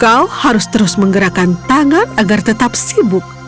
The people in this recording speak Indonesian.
kau harus terus menggerakkan tangan agar tetap sibuk